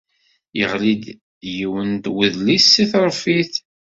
Yeɣli-d yiwen n wedlis seg tṛeffit.